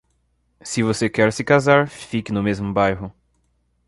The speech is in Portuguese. Se você quer se casar, fique no mesmo bairro.